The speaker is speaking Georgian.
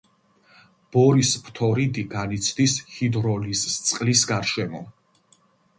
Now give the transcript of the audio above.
ბორის ფთორიდი განიცდის ჰიდროლიზს წყლის გარემოში.